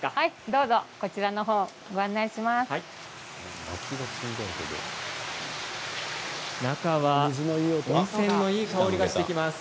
どうぞ、こちらの方にご案内します。